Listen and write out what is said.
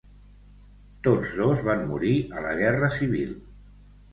Tots dos van morir a la Guerra Civil.